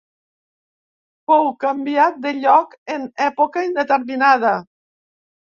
Fou canviat de lloc en època indeterminada.